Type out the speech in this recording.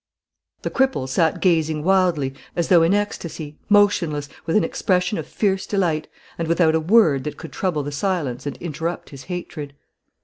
The cripple sat gazing wildly, as though in ecstasy, motionless, with an expression of fierce delight, and without a word that could trouble the silence and interrupt his hatred.